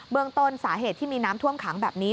เมืองต้นสาเหตุที่มีน้ำท่วมขังแบบนี้